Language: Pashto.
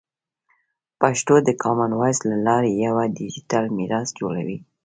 پښتو د کامن وایس له لارې یوه ډیجیټل میراث جوړوي.